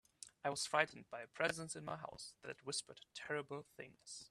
I was frightened by a presence in my house that whispered terrible things.